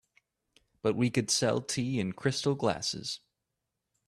But we could sell tea in crystal glasses.